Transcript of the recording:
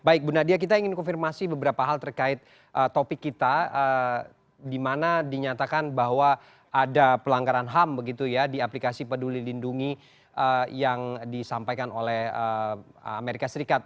baik bu nadia kita ingin konfirmasi beberapa hal terkait topik kita di mana dinyatakan bahwa ada pelanggaran ham begitu ya di aplikasi peduli lindungi yang disampaikan oleh amerika serikat